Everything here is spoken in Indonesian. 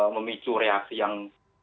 memicu reaksi yang